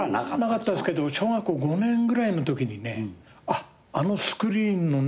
なかったんですけど小学校５年ぐらいのときにねあのスクリーンの中に行きたい。